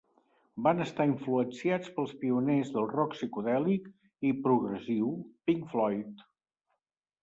Van estar influenciats pels pioners del rock psicodèlic i progressiu Pink Floyd.